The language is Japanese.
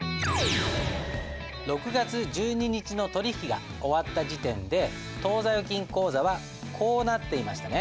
６月１２日の取引が終わった時点で当座預金口座はこうなっていましたね。